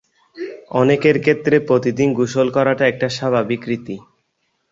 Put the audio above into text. অনেকের ক্ষেত্রে প্রতিদিন গোসল করাটা একটা স্বাভাবিক রীতি।